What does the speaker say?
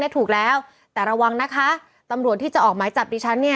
ถูกแล้วแต่ระวังนะคะตำรวจที่จะออกหมายจับดิฉันเนี่ย